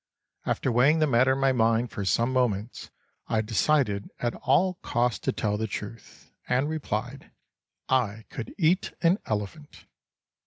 After weighing the matter in my mind for some moments I decided at all cost to tell the truth, and replied: "I could eat an elephant."